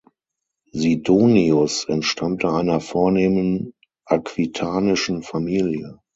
Sidonius entstammte einer vornehmen aquitanischen Familie.